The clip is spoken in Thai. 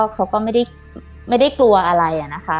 เขาก็ไม่ได้กลัวอะไรนะคะ